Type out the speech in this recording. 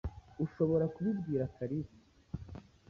Urashobora kubibwira Kalisa.